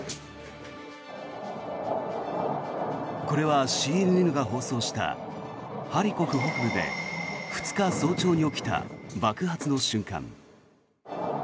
これはＣＮＮが放送したハリコフ北部で２日早朝に起きた爆発の瞬間。